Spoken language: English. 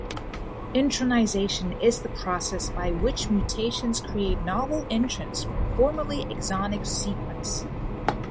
Intronization is the process by which mutations create novel introns from formerly exonic sequence.